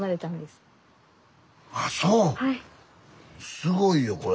すごいよこれ。